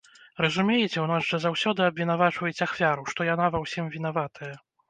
Разумееце, у нас жа заўсёды абвінавачваюць ахвяру, што яна ва ўсім вінаватая.